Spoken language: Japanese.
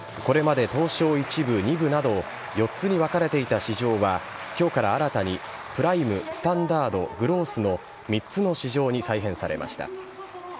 これまで東証１部、２部など、４つに分かれていた市場は、きょうから新たにプライム、スタンダード、グロースの３つの市場に再編されました。